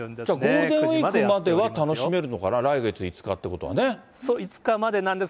ゴールデンウィークまでは楽しめるのかな、来月５日っていう５日までなんです。